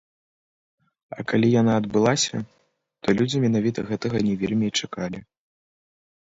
А калі яна адбылася, то людзі менавіта гэтага не вельмі і чакалі.